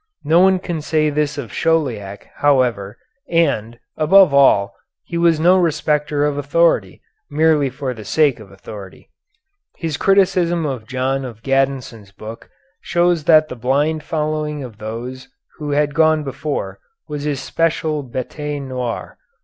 No one can say this of Chauliac, however, and, above all, he was no respecter of authority, merely for the sake of authority. His criticism of John of Gaddesden's book shows that the blind following of those who had gone before was his special bête noir.